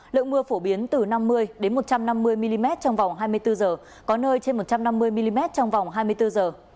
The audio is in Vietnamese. lượng mưa phổ biến từ năm mươi một trăm năm mươi mm trong vòng hai mươi bốn giờ có nơi trên một trăm năm mươi mm trong vòng hai mươi bốn giờ